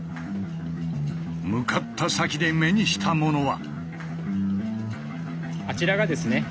向かった先で目にしたものは。